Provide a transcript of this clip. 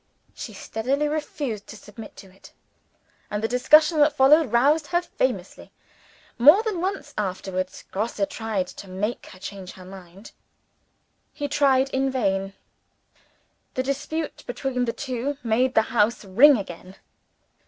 She steadily refused to submit to it and the discussion that followed roused her famously. More than once afterwards Grosse tried to make her change her mind. He tried in vain. The disputes between the two made the house ring again.